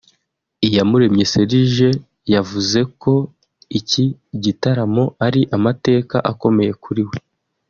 Iyamuremye Serge yavuze ko iki gitaramo ari amateka akomeye kuri we